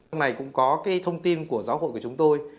hôm nay cũng có cái thông tin của giáo hội của chúng tôi